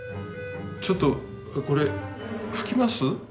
ちょっとこれ拭きます？